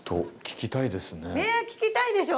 ねっ聴きたいでしょ？